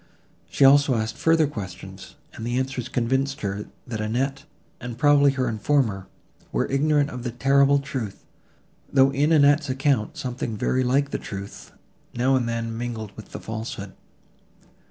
She also asked further questions, and the answers convinced her, that Annette, and probably her informer, were ignorant of the terrible truth, though in Annette's account something very like the truth, now and then, mingled with the falsehood.